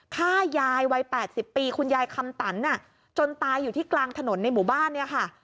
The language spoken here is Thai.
ฆ่ายายวัย๘๐ปีคุณยายคำตันจนตายอยู่ที่กลางถนนในหมู่บ้านเนี่ยค่ะ